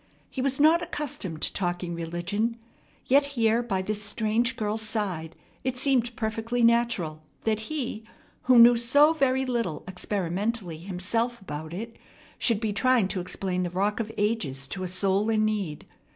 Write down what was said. He was not accustomed to talking religion; yet here by this strange girl's side it seemed perfectly natural that he, who knew so very little experimentally himself about it, should be trying to explain the Rock of Ages to a soul in need.